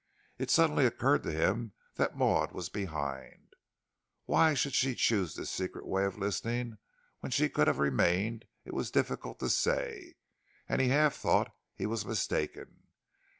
It suddenly occurred to him that Maud was behind. Why she should choose this secret way of listening when she could have remained it was difficult to say, and he half thought he was mistaken.